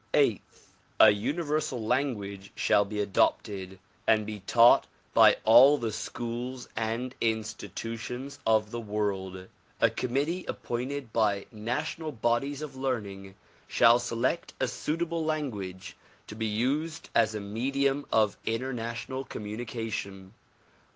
Eighth: A universal language shall be adopted and be taught by all the schools and institutions of the world. A committee appointed by national bodies of learning shall select a suitable language to be used as a medium of international communication.